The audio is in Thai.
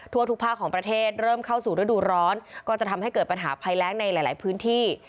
ทั่วทุกภาคของประเทศเริ่มเข้าสู่ฤดูร้อนก็จะทำให้เกิดปัญหาภัยแรงในหลายพื้นที่